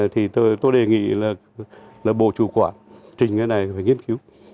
thì tôi đề nghị là bộ chủ quản trình cái này phải nghiên cứu